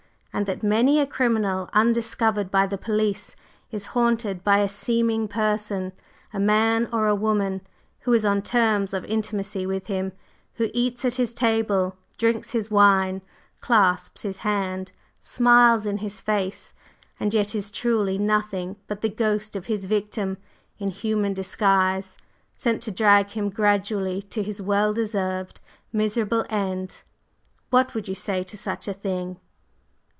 And that many a criminal undiscovered by the police is haunted by a seeming Person, a man or a woman, who is on terms of intimacy with him, who eats at his table, drinks his wine, clasps his hand, smiles in his face, and yet is truly nothing but the ghost of his victim in human disguise, sent to drag him gradually to his well deserved, miserable end; what would you say to such a thing?"